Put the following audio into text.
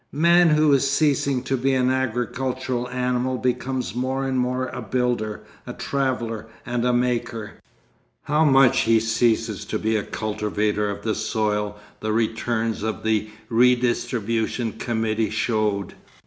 Man who is ceasing to be an agricultural animal becomes more and more a builder, a traveller, and a maker. How much he ceases to be a cultivator of the soil the returns of the Redistribution Committee showed.